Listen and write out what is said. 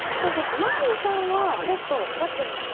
前野さんはペットを飼ってますか？